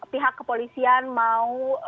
pihak kepolisian mau